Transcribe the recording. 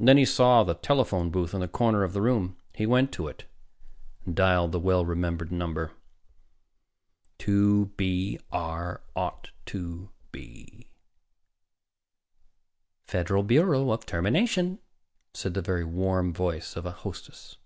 And then he saw the telephone booth in the corner of the room. He went to it, dialed the well remembered number: "2 B R 0 2 B." "Federal Bureau of Termination," said the very warm voice of a hostess.